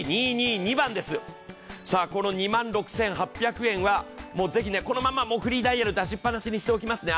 この２万６８００円は、このままフリーダイヤル出したままにしておきますね。